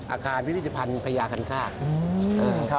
อาคารมิจิพันธ์พญาคัลภาก